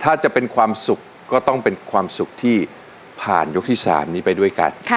ถ้าจะเป็นความสุขก็ต้องเป็นความสุขที่ผ่านยกที่๓นี้ไปด้วยกัน